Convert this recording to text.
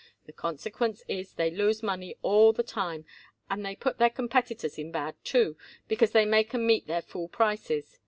The consequence is, they lose money all the time; and they put their competitors in bad too, because they make 'em meet their fool prices.